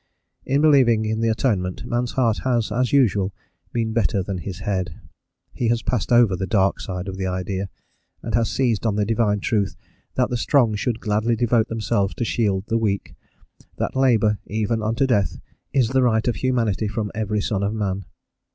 In believing in the Atonement, man's heart has, as usual, been better than his head; he has passed over the dark side of the idea, and has seized on the divine truth that the strong should gladly devote themselves to shield the weak, that labour, even unto death, is the right of humanity from every son of man.